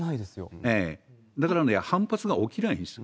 だから反発が起きないんです。